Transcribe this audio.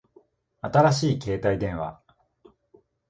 新しい携帯電話